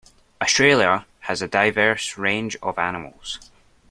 Australia has a diverse range of animals.